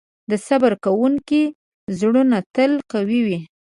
د صبر کوونکي زړونه تل قوي وي.